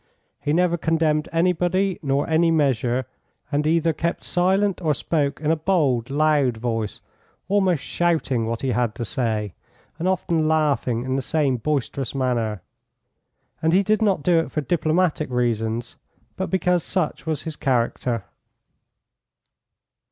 He never condemned anybody nor any measure, and either kept silent or spoke in a bold, loud voice, almost shouting what he had to say, and often laughing in the same boisterous manner. And he did not do it for diplomatic reasons, but because such was his character.